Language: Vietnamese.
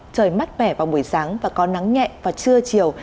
trời mát mẻ vào buổi sáng và có nắng nhẹ vào trưa chiều